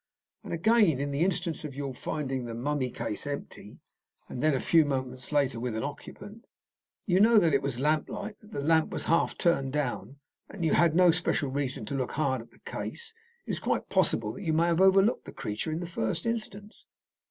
"And again, in the instance of your finding the mummy case empty, and then a few moments later with an occupant, you know that it was lamplight, that the lamp was half turned down, and that you had no special reason to look hard at the case. It is quite possible that you may have overlooked the creature in the first instance."